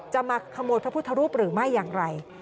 มาขโมยพระพุทธรูปหรือไม่อย่างไร